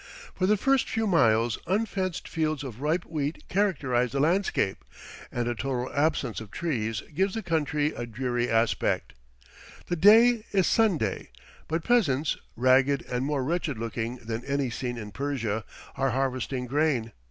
For the first few miles unfenced fields of ripe wheat characterize the landscape, and a total absence of trees gives the country a dreary aspect. The day is Sunday, but peasants, ragged and more wretched looking than any seen in Persia, are harvesting grain.